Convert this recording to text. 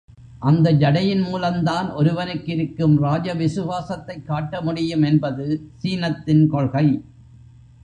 அந்த ஜடையின் மூலந்தான் ஒருவனுக்கிருக்கும் ராஜவிசுவாசத்தைக் காட்டமுடியும் என்பது சீனத்தின் கொள்கை.